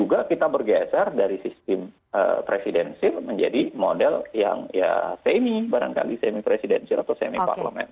juga kita bergeser dari sistem presidensil menjadi model yang ya semi barangkali semi presidensial atau semi parlemen